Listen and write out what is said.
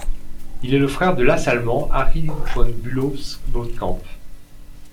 Il est le frère de l'as allemand Harry von Bülow-Bothkamp.